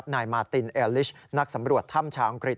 นายมาตินเอลลิชนักสำรวจถ้ำชาวอังกฤษ